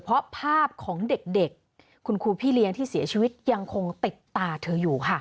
เพราะภาพของเด็กคุณครูพี่เลี้ยงที่เสียชีวิตยังคงติดตาเธออยู่ค่ะ